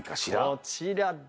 こちらです。